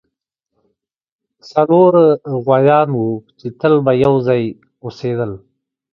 څلور غوایان وو چې تل به یو ځای اوسیدل.